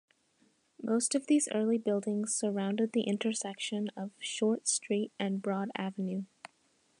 Most of these early buildings surrounded the intersection of Short Street and Broad Avenue.